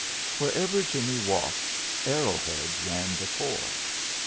Wherever Jimmie walked, arrow heads ran before.